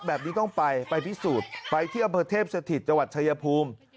แบบนี้ต้องไปไปพิสูจน์ไปที่อำเภอเทพสถิตจังหวัดชายภูมิ